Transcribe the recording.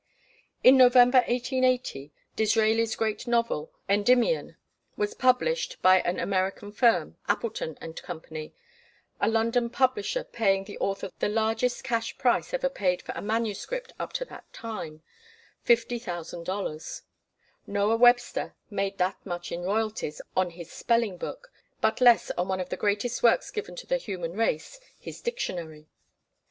In November, 1880, Disraeli's great novel, "Endymion" was published by an American firm, Appleton & Co., a London publisher paying the author the largest cash price ever paid for a manuscript up to that time $50,000. Noah Webster made that much in royalties on his spelling book, but less on one of the greatest works given to the human race, his dictionary.